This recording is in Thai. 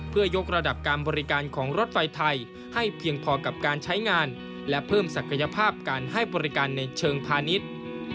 เพื่อยกระดับการบริการของรถไฟไทยให้เพียงพอกับการใช้งานและเพิ่มศักยภาพการให้บริการในเชิงพาณิชย์